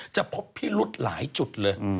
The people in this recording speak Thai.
จะพบพิรุธหลายจุดเลย